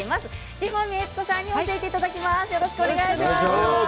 志穂美悦子さんに教えていただきます。